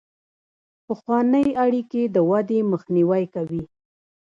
پخوانۍ اړیکې د ودې مخنیوی کوي.